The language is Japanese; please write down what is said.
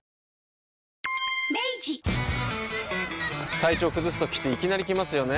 体調崩すときっていきなり来ますよね。